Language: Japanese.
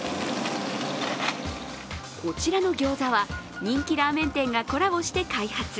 こちらのギョーザは人気ラーメン店がコラボして開発。